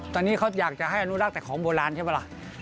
ตอนนี้เขาอยากจะให้อนุรักษ์แต่ของโบราณใช่ป่ะล่ะ